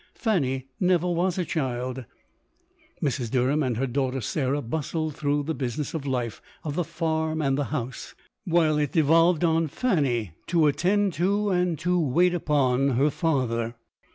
Fanny never was a child. Mrs. Derham and her daughter Sarah bustled through the business of life — of the farm and the house ; while it devolved on Fanny to attend to, to wait upon, her father.